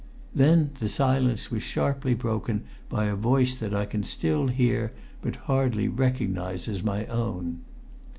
Then the silence was sharply broken by a voice that I can still hear but hardly recognise as my own.